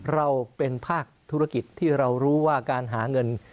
เราเป็นภาคธุรกิจที่เรารู้ว่าการหาเงิน